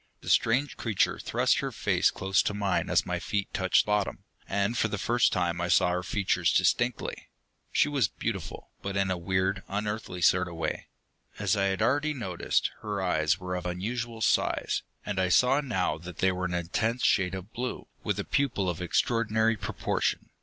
The strange creature thrust her face close to mine as my feet touched bottom, and for the first time I saw her features distinctly. She was beautiful, but in a weird, unearthly sort of way. As I had already noticed, her eyes were of unusual size, and I saw now that they were an intense shade of blue, with a pupil of extraordinary proportion.